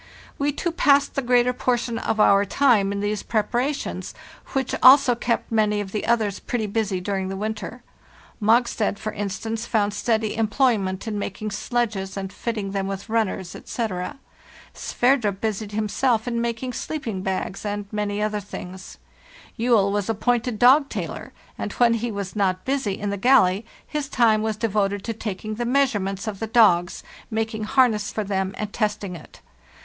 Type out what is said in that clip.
We two passed the greater portion of our time in 16 FARTHEST NORTH these preparations, which also kept many of the others pretty busy during the winter. Mogstad, for instance, found steady employment in making sledges and fitting them with runners, etc. Sverdrup busied himself in making sleeping bags and many other things. Juell was appointed dog tailor, and when he was not busy in the galley, his time was devoted to taking the measurements of the dogs, making harness for them and testing it.